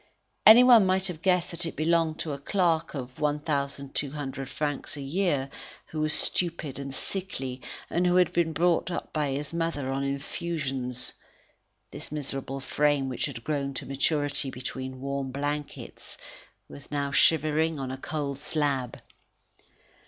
Anyone might have guessed that it belonged to a clerk at 1,200 francs a year, who was stupid and sickly, and who had been brought up by his mother on infusions. This miserable frame, which had grown to maturity between warm blankets, was now shivering on a cold slab.